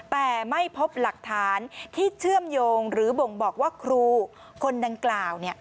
แต่ไม่พบหลักฐานที่เชื่อมโยงหรือบ่งบอกว่าครูคนดังกล่าว